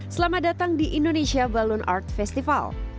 selamat datang di indonesia valuon art festival